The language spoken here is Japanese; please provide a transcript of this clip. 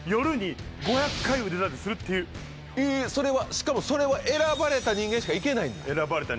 しかもそれは。選ばれた人間しかいけないです。